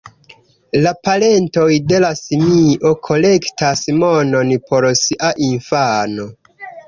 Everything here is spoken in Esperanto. La parentoj de la simio kolektas monon por sia infano.